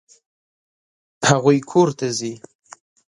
هغوی کور ته ځي.